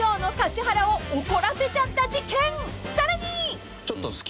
［さらに］